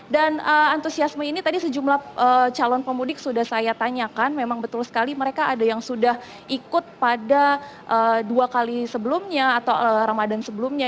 dan antusiasme ini tadi sejumlah calon pemudik sudah saya tanyakan memang betul sekali mereka ada yang sudah ikut pada dua kali sebelumnya